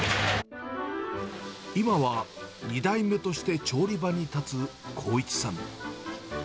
今は２代目として調理場に立つ貢一さん。